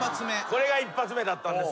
これが一発目だったんです。